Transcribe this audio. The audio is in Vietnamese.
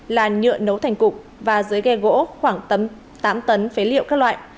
là nhựa nấu thành cục và dưới ghe gỗ khoảng tám tấn phế liệu các loại